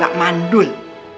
lu akan mandul